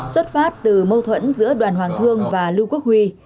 xuất phát từ mâu thuẫn giữa đoàn hoàng thương và lưu quốc huy